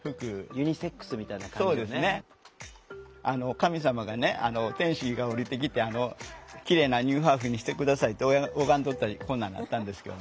神様がね天使が降りてきて「きれいなニューハーフにして下さい」って拝んどったらこんなんなったんですけど。